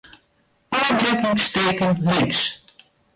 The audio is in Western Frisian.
Ofbrekkingsteken links.